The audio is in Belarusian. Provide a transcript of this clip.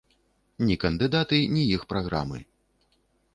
Ні кандыдаты, ні іх праграмы.